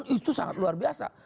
itu sangat luar biasa